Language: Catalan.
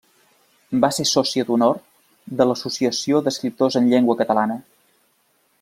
Va ser sòcia d'honor de l'Associació d'Escriptors en Llengua Catalana.